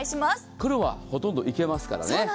黒はほとんどいけますからね。